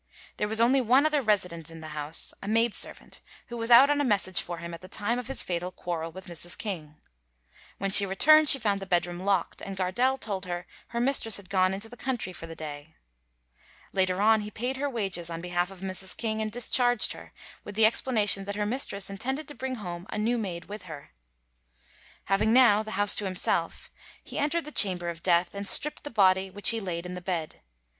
There was only one other resident in the house, a maid servant, who was out on a message for him at the time of his fatal quarrel with Mrs. King. When she returned she found the bedroom locked, and Gardelle told her her mistress had gone into the country for the day. Later on he paid her wages on behalf of Mrs. King and discharged her, with the explanation that her mistress intended to bring home a new maid with her. Having now the house to himself, he entered the chamber of death, and stripped the body, which he laid in the bed.